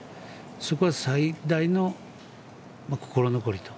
そこは最大の心残りと。